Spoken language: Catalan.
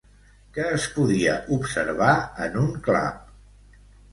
Què es podia observar en un clap?